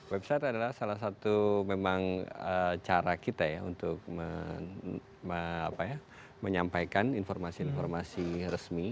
website adalah salah satu memang cara kita ya untuk menyampaikan informasi informasi resmi